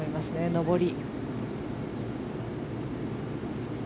上り。